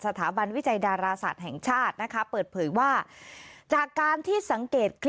สถาบันวิจัยดาราศาสตร์แห่งชาตินะคะเปิดเผยว่าจากการที่สังเกตคลิป